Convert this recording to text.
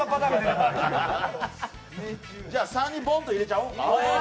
じゃあ３にボンっと入れちゃおうか。